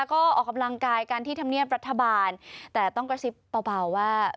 ก็ออกกำลังกายกันที่ธรรมเนียบรัฐบาลแต่ต้องกระซิบเบาว่า